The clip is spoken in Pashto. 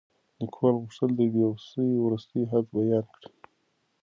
لیکوال غوښتل چې د بې وسۍ وروستی حد بیان کړي.